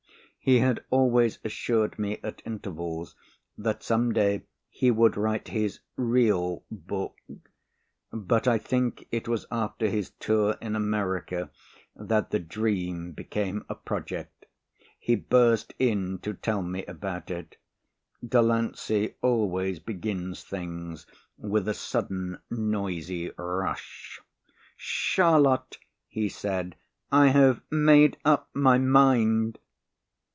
He had always assured me at intervals that some day he would write his "real book" but I think it was after his tour in America that the dream became a project. He burst in to tell me about it. Delancey always begins things with a sudden noisy rush. "Charlotte," he said, "I have made up my mind."